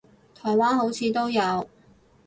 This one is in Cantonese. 台灣好似都有